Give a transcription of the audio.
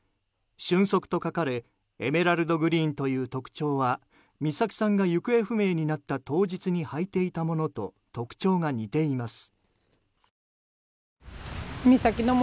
「ＳＹＵＮＳＯＫＵ」と書かれエメラルドグリーンという特徴は美咲さんが行方不明になった当日に履いていたものと特徴が似ています。